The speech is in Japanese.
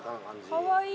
かわいい！